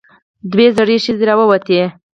دوه زړې ښځې راووتې.